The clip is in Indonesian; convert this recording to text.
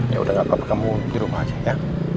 ya udah nggak apa apa kamu di rumah aja ya